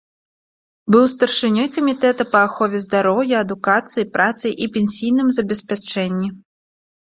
Быў старшынёй камітэта па ахове здароўя, адукацыі, працы і пенсійным забеспячэнні.